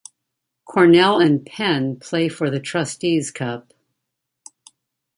Cornell and Penn play for the Trustees Cup.